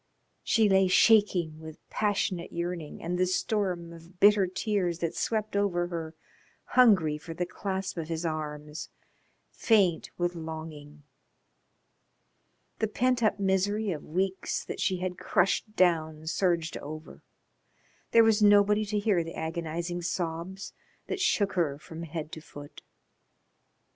She lay shaking with passionate yearning and the storm of bitter tears that swept over her, hungry for the clasp of his arms, faint with longing. The pent up misery of weeks that she had crushed down surged over. There was nobody to hear the agonising sobs that shook her from head to foot.